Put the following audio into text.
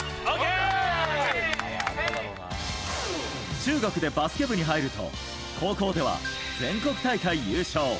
中学でバスケ部に入ると高校では全国大会優勝！